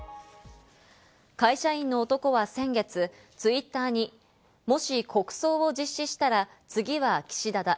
会社員の男は先月、Ｔｗｉｔｔｅｒにもし国葬を実施したら次は岸田だ。